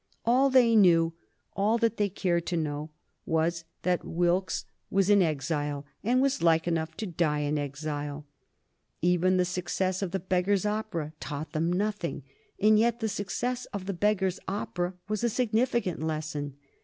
All they knew, all that they cared to know, was that Wilkes was in exile, and was like enough to die in exile. Even the success of "The Beggar's Opera" taught them nothing, and yet the success of "The Beggar's Opera" was a significant lesson.